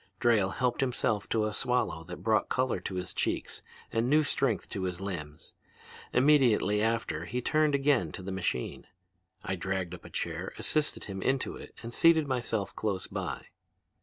Drayle helped himself to a swallow that brought color to his cheeks and new strength to his limbs. Immediately after he turned again to the machine. I dragged up a chair, assisted him into it, and seated myself close by.